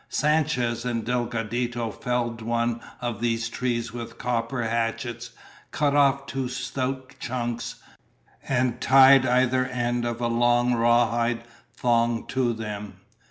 Sanchez and Delgadito felled one of these trees with copper hatchets, cut off two stout chunks, and tied either end of a long rawhide thong to them.